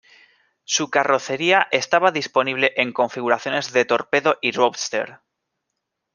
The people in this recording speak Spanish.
Su carrocería estaba disponible en configuraciones de torpedo y roadster.